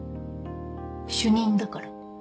主任だから。